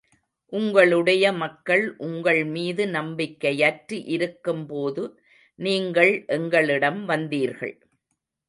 உங்களுடைய மக்கள் உங்கள் மீது நம்பிக்கையற்று இருக்கும் போது, நீங்கள் எங்களிடம் வந்தீர்கள்.